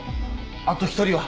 あと１人は？